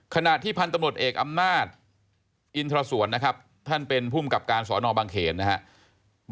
ขณะที่พันธุ์ตำรวจเอกอำนาจอินทรสวนนะครับท่านเป็นภูมิกับการสอนอบังเขนนะครับ